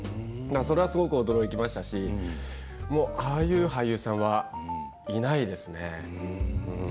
それはすごく驚きましたしああいう俳優さんはいないですね。